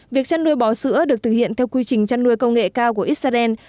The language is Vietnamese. việc chăn nuôi bò sữa được thực hiện theo quy trình chăn nuôi công nghệ cao của israel